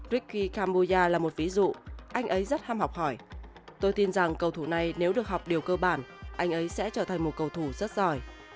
rickya kamboya là một ví dụ anh ấy rất ham học hỏi tôi tin rằng cầu thủ này nếu được học điều cơ bản anh ấy sẽ trở thành một cầu thủ rất giỏi